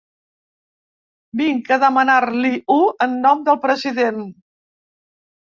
Vinc a demanar-li-ho en nom del president.